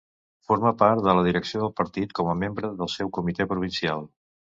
Formà part de la direcció del partit com a membre del seu comitè provincial.